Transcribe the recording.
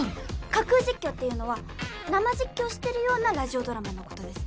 架空実況っていうのは生実況してるようなラジオドラマの事です。